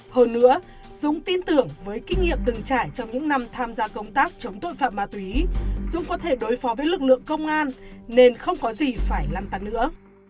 hơn nữa dũng tin tưởng với kinh nghiệm từng trải trong những năm tham gia công tác chống tội phạm ma túy dũng có thể đối phó với lực lượng công an nên không có gì phải lăn tắn nữa